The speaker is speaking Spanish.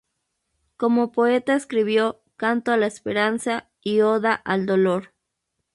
Como poeta escribió "Canto a la esperanza" y "Oda al dolor".